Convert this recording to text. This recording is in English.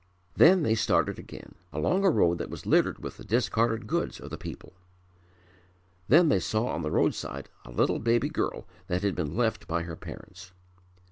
Then they started again, along a road that was littered with the discarded goods of the people. Then they saw on the road side a little baby girl that had been left by her parents.